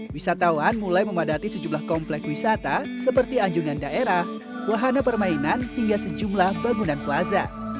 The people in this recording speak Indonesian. wisatawan mulai memadati sejumlah komplek wisata seperti anjungan daerah wahana permainan hingga sejumlah bangunan plaza